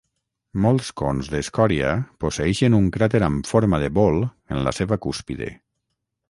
Molts cons d'escòria posseeixen un cràter amb forma de bol en la seva cúspide.